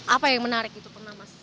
apa yang menarik itu pernah mas